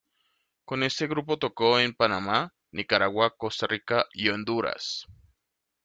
Con este grupo tocó en Panamá, Nicaragua, Costa Rica, y Honduras.